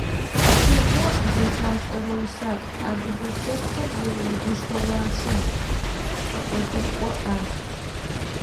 Цыгъо зэлъашӀэрэ усакӀу, адыгэ лъэпкъыр зэрыгушхорэ ашуг, къэӀотэкӀо Ӏаз.